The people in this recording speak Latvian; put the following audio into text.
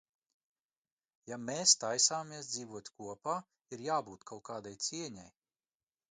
Ja mēs taisāmies dzīvot kopā ir jābūt kaut kādai cieņai!